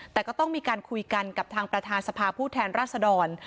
แต่ก็ต้องมีการคุยกันกับทางประธานสภาผู้แทนรัศดร